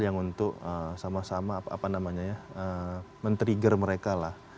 yang untuk sama sama men trigger mereka lah